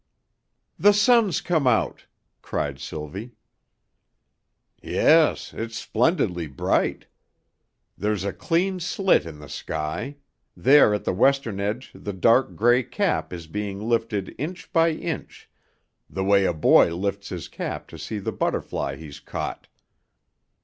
"The sun's come out," cried Sylvie. "Yes, it's splendidly bright. There's a clean slit in the sky; there at the western edge the dark gray cap is being lifted inch by inch, the way a boy lifts his cap to see the butterfly he's caught.